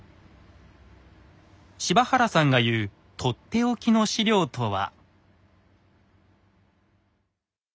柴原さんが言うとっておきの史料とは。